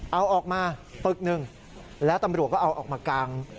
เอาออกมาปึกหนึ่งแล้วตำรวจก็เอาออกมากาง